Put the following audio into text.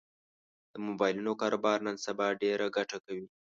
د مبایلونو کاروبار نن سبا ډېره ګټه کوي